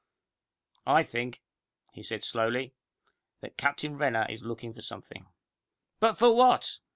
"I think," he said slowly, "that Captain Renner is looking for something." "But for what?"